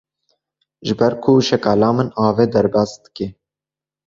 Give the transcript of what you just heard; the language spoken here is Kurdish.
Ji ber ku şekala min avê derbas dike.